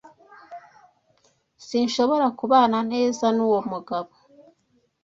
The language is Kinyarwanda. Sinshobora kubana neza nuwo mugabo.